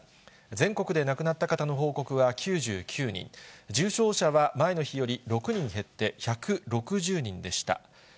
全国で亡くなった方の報告は９９人、重症者は前の日より６人減って１６０人でした。